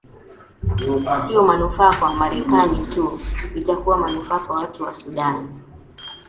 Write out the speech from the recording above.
sio manufaa kwa wamarekani tu itakuwa manufaa kwa watu ya sudan